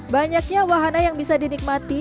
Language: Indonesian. banyaknya wahana yang bisa dinikmati